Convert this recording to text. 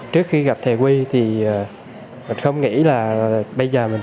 trước khi gặp thầy huy thì mình không nghĩ là bây giờ mình